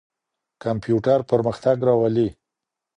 کمپيوټر پرمختګ راولي.